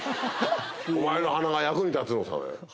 「お前の鼻が役に立つのさ」だよ。